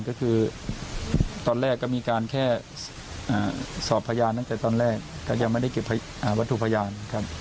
ก็คือตอนแรกก็มีการแค่สอบพยานตั้งแต่ตอนแรกก็ยังไม่ได้เก็บวัตถุพยานครับ